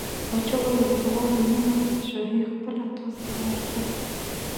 پاچا وویل: زه غواړم نیمه پادشاهي خپله تاسو ته ورکړم.